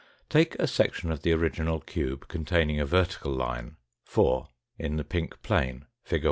Take a section of tha original cube containing a vertical line, 4, in the pink plane, fig.